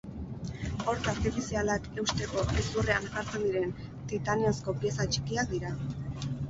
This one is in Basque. Hortz artifizialak eusteko hezurrean jartzen diren titaniozko pieza txikiak dira.